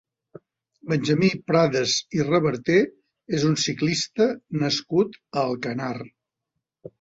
Benjamí Prades i Reverter és un ciclista nascut a Alcanar.